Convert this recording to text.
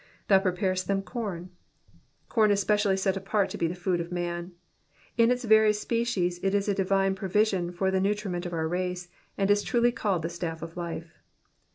^'^Thou preparest them com,^^ Corn is specially set apart to be the food of man. In its various species it is a divine grovision for the nutriment of our race, and is truly called the staff of life.